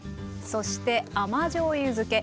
そして甘じょうゆ漬け。